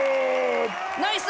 ナイス！